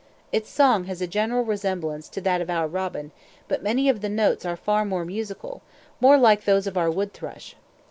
Its song has a general resemblance to that of our robin, but many of the notes are far more musical, more like those of our wood thrush.